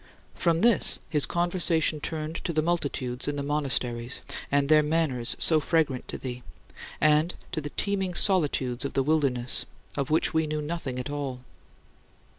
15. From this, his conversation turned to the multitudes in the monasteries and their manners so fragrant to thee, and to the teeming solitudes of the wilderness, of which we knew nothing at all.